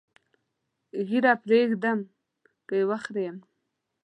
ږیره پرېږدم که یې وخریم؟